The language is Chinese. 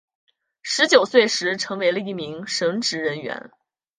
十九岁时成为了一名神职人员。